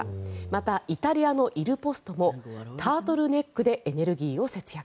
また、イタリアのイルポストもタートルネックでエネルギーを節約。